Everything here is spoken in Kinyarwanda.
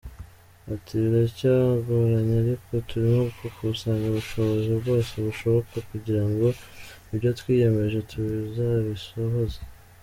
Ati,“Biracyagoranye ariko turimo gukusanya ubushobozi bwose bushoboka kugira ngo ibyo twiyemeje tuzabisohoze”.